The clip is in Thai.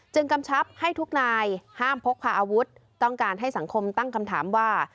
กำชับให้ทุกนายห้ามพกพาอาวุธต้องการให้สังคมตั้งคำถามว่า